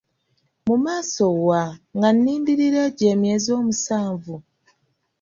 Mu maaso wa, nga nnindirira egyo emyezi musanvu?